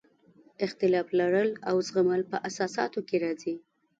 اختلاف لرل او زغمل په اساساتو کې راځي.